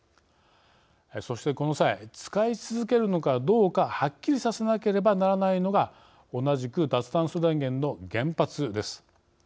そして、この際使い続けるのかどうかはっきりさせなければならないのが同じく脱炭素電源の原発です。